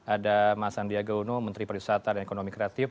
ada mas andriaga uno menteri perusahaan dan ekonomi kreatif